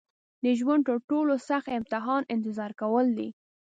د ژوند تر ټولو سخت امتحان انتظار کول دي.